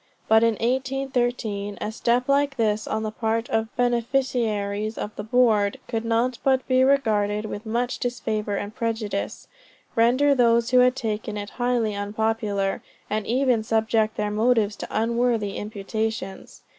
But in 1813, a step like this on the part of beneficiaries of the Board, could not but be regarded with much disfavor and prejudice, render those who had taken it highly unpopular, and even subject their motives to unworthy imputations.